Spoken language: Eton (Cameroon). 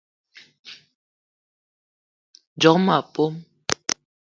Djock ma pom